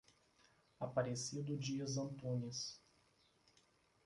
Aparecido Dias Antunis